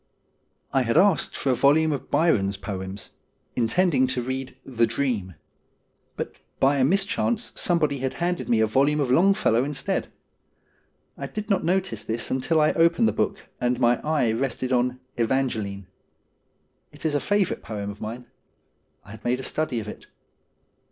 I had asked for a volume of Byron's poems, intending to read ' The Dream,' but by a mischance somebody had handed me a volume of Longfellow instead. I did not notice this RUTH 153 until I opened the book and my eye rested on ' Evangeline.' It was a favourite poem of mine. I had made a study of it.